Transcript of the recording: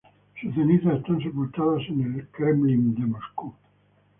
Sus cenizas están sepultadas en el Kremlin de Moscú.